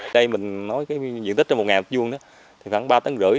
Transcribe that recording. đây mình nói cái diện tích trên một m hai đó thì khoảng ba tấn rưỡi